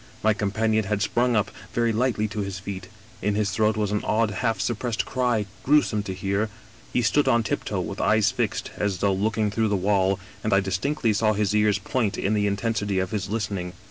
My companion had sprung up,, very lightly, to his feet. In his throat was an odd, half suppressed cry, grewsome to hear. He stood on tiptoe, with eyes fixed, as though looking through the wall, and I distinctly saw his ears point in the intensity of his lis tening.